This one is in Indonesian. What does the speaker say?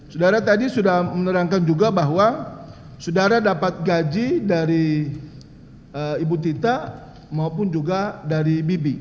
saudara tadi sudah menerangkan juga bahwa saudara dapat gaji dari ibu tita maupun juga dari bibi